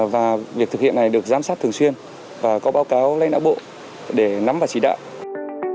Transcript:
và việc thực hiện này được giám sát thường xuyên và có báo cáo lãnh đạo bộ để nắm và chỉ đạo